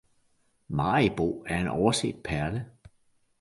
Maribo er en overset perle